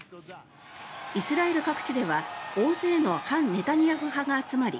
イスラエル各地では大勢の反ネタニヤフ派が集まり